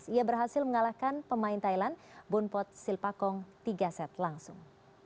ia berhasil mengalahkan pemain thailand bunpot silpakong tiga set langsung